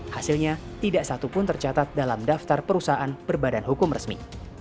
hasilnya tidak satu pun tercatat dalam daftar perusahaan berbadan hukum resmi